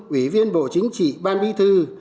ủy viên bộ chính trị ban bí thư